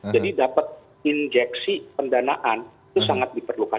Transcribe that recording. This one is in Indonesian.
jadi dapat injeksi pendanaan itu sangat diperlukan